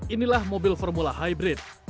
inilah mobil formula hybrid